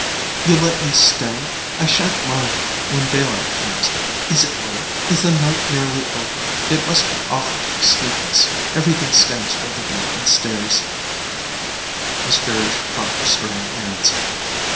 "You'll let me stay? I shan't mind when daylight comes—Is it late? Is the night nearly over? It must be awful to be sleepless—everything stands by the bed and stares——" Miss Farish caught her straying hands.